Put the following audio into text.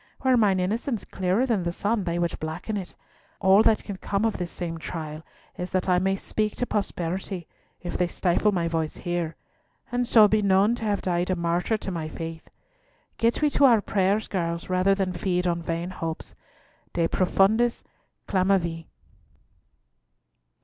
"Were mine innocence clearer than the sun they would blacken it. All that can come of this same trial is that I may speak to posterity, if they stifle my voice here, and so be known to have died a martyr to my faith. Get we to our prayers, girls, rather than feed on vain hopes. De profundis clamavi."